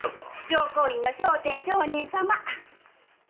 浄光院の聖天上人様。